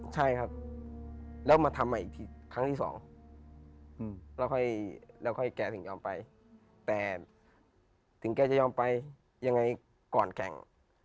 ใช่ครับแล้วมาทำใหม่อีกครั้งที่สองแล้วค่อยแกถึงยอมไปแต่ถึงแกจะยอมไปยังไงก่อนแข่ง